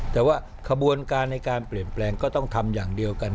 แต่ว่าขบวนการในการเปลี่ยนแปลงก็ต้องทำอย่างเดียวกัน